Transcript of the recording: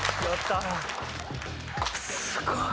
すごい。